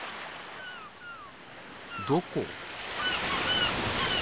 どこ？